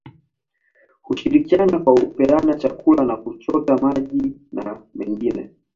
Hushirikiana kwa kupeana chakula na kuchota maji na mengine